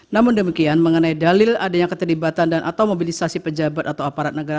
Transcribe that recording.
namun demikian mengenai dalil adanya keterlibatan dan atau mobilisasi pejabat atau aparat negara